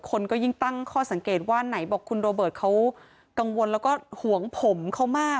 คนก็ยิ่งตั้งข้อสังเกตว่าไหนบอกคุณโรเบิร์ตเขากังวลแล้วก็ห่วงผมเขามาก